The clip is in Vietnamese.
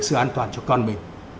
sự an toàn cho con mình